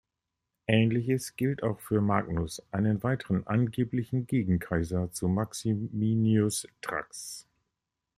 Ähnliches gilt auch für Magnus, einen weiteren angeblichen Gegenkaiser zu Maximinus Thrax.